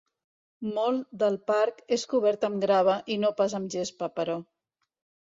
Molt del parc és cobert amb grava i no pas amb gespa, però.